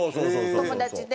友達で。